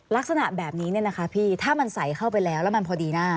ลักษณะแบบนี้เนี่ยนะคะพี่ถ้ามันใส่เข้าไปแล้วแล้วมันพอดีหน้า